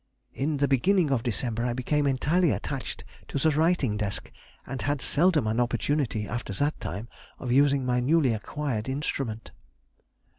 In the beginning of December I became entirely attached to the writing desk, and had seldom an opportunity after that time of using my newly acquired instrument.